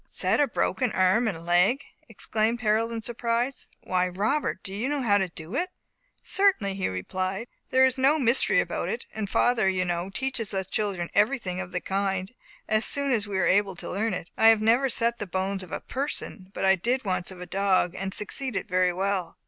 "Set a broken arm and leg!" exclaimed Harold in surprise. "Why, Robert, do you know how to do it?" "Certainly," he replied. "There is no mystery about it; and father, you know, teaches us children everything of the kind, as soon as we are able to learn it. I have never set the bones of a person, but I did once of a dog, and succeeded very well."